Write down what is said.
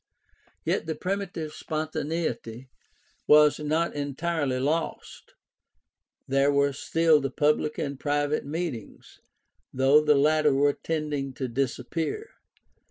Yet the primitive spontaneity was not entirely lost. There were still the public and the private meetings, though the latter were tending to disappear.